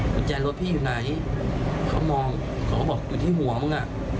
กุญแจรถพี่อยู่ไหนเขามองเขาก็บอกอยู่ที่หัวมึงอ่ะ